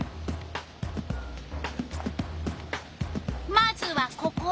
まずはここ！